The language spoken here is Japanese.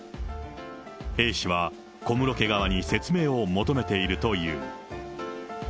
Ａ氏は小室家側に説明を求めているという。